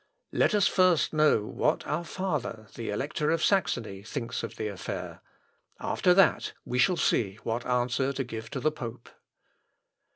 Let us first know what our father, the Elector of Saxony, thinks of the affair; after that, we shall see what answer to give to the pope."